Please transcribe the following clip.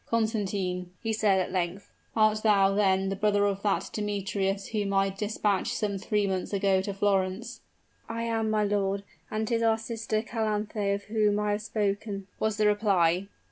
"Constantine," he said, at length, "art thou, then, the brother of that Demetrius whom I dispatched some three months ago to Florence?" "I am, my lord and 'tis our sister Calanthe of whom I have spoken," was the reply.